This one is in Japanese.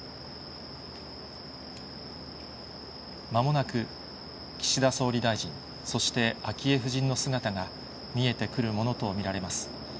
まもなく岸田総理大臣、そして昭恵夫人の姿が見えてくるものと見られます。